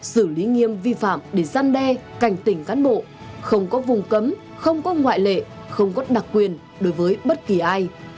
xử lý nghiêm vi phạm để gian đe cảnh tỉnh cán bộ không có vùng cấm không có ngoại lệ không có đặc quyền đối với bất kỳ ai